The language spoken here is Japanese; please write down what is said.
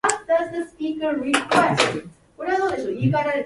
愛情は瞬間的な感情ではない.―ジグ・ジグラー―